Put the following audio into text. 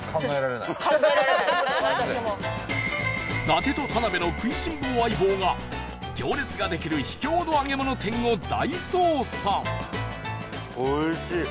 伊達と田辺の食いしん坊相棒が行列ができる秘境の揚げ物店を大捜査